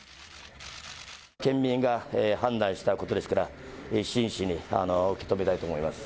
県民が判断したことですから真摯に受け止めたいと思います。